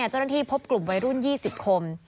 เจ้าหน้าที่พบกลุ่มวัยรุ่น๒๐คน